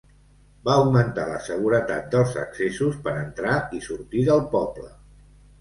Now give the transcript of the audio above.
Va augmentar la seguretat dels accessos per entrar i sortir del poble.